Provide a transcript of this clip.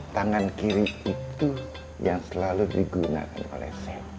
tangan kiri itu yang selalu digunakan oleh sat